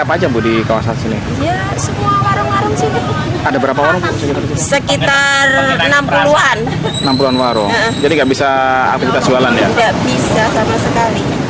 pertemuan pedagang tidak bisa membuka usahanya